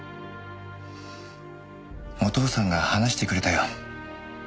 お父さんが話してくれたよ。